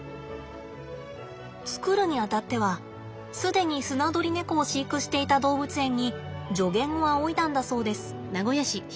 作るにあたっては既にスナドリネコを飼育していた動物園に助言を仰いだんだそうです。